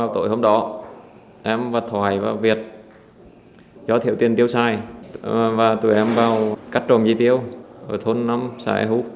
tối hôm đó em và thoại và việt cho thiếu tiền tiêu xài và tụi em vào cắt trộm dây tiêu ở thôn năm xã ea hu